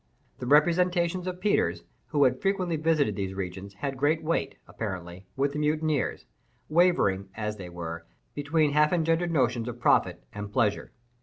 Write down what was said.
The representations of Peters, who had frequently visited these regions, had great weight, apparently, with the mutineers, wavering, as they were, between half engendered notions of profit and pleasure.